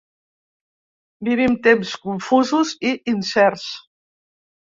Vivim temps confusos i incerts.